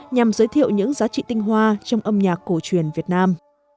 nhằm giới thiệu những giá trị tinh hoa trong âm nhạc cổ truyền việt nam